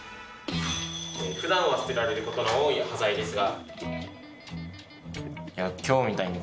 ふだんは捨てられることが多い端材ですが。